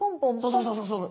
そうそうそうそう。